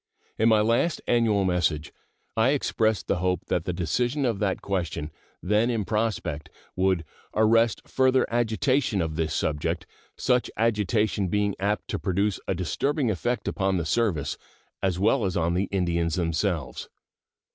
In my last annual message I expressed the hope that the decision of that question, then in prospect, would "arrest further agitation of this subject, such agitation being apt to produce a disturbing effect upon the service as well as on the Indians themselves."